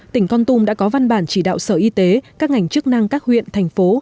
tỉnh con tum đã có văn bản chỉ đạo sở y tế các ngành chức năng các huyện thành phố